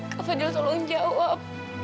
kak fadil tolong jawab